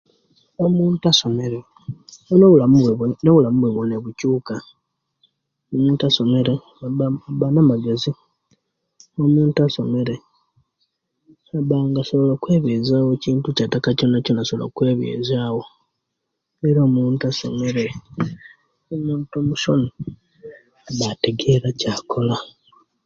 Omuntu eyasomere nobulamu bwe bwona bukyuka, omuntu asomere aba abamu amagezi, omuntu asomere aba asobola okwebezyawo kintu kyataka kyonakyona ekyaba atakire asobola okwebesyawo omuntu asomere omuntu omusomi aba ategera ekyakola